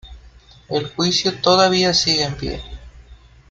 El juicio todavía sigue en pie.